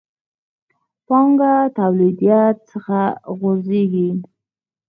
پانګه توليديت څخه غورځېږي.